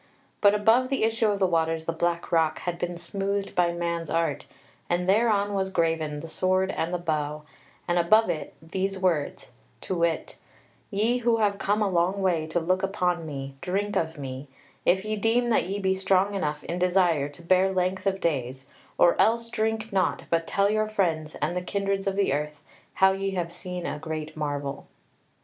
But above the issue of the waters the black rock had been smoothed by man's art, and thereon was graven the Sword and the Bough, and above it these words, to wit: YE WHO HAVE COME A LONG WAY TO LOOK UPON ME, DRINK OF ME, IF YE DEEM THAT YE BE STRONG ENOUGH IN DESIRE TO BEAR LENGTH OF DAYS: OR ELSE DRINK NOT; BUT TELL YOUR FRIENDS AND THE KINDREDS OF THE EARTH HOW YE HAVE SEEN A GREAT MARVEL.